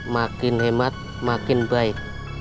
makin hemat makin baik